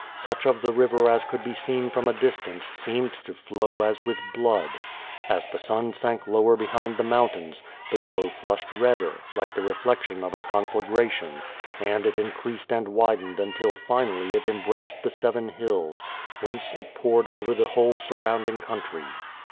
Such of the river as could be seen from a dis tance seemed to flow as with blood. As the sun sank lower behind the mountains, the glow flushed redder, like the re flection of a conflagration, and it increased and widened un til filially it embraced the seven hills, whence it poured over the whole surrounding country.